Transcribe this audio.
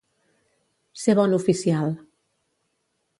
Ser bon oficial.